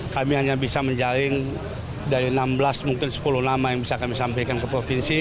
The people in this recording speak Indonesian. kami hanya bisa menjaring dari enam belas mungkin sepuluh nama yang bisa kami sampaikan ke provinsi